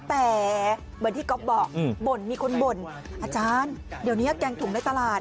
แต่เหมือนที่ก๊อฟบอกบ่นมีคนบ่นอาจารย์เดี๋ยวนี้แกงถุงในตลาด